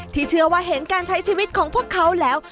ที่เชื่อว่าเห็นการใช้ชีวิตของพวกเขาแล้ว